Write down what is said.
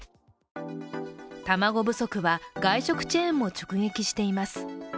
卵不足は外食チェーンも直撃しています。